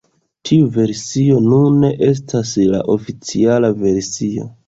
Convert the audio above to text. Tiu versio nune estas la oficiala versio.